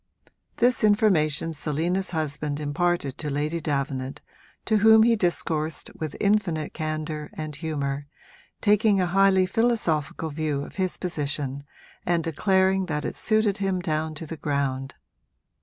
This information Selina's husband imparted to Lady Davenant, to whom he discoursed with infinite candour and humour, taking a highly philosophical view of his position and declaring that it suited him down to the ground.